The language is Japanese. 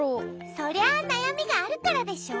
そりゃあなやみがあるからでしょ？